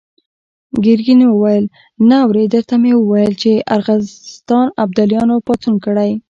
ګرګين وويل: نه اورې! درته ومې ويل چې د ارغستان ابداليانو پاڅون کړی.